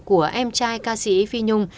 của em trai ca sĩ phi nhung